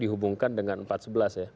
dihubungkan dengan empat sebelas ya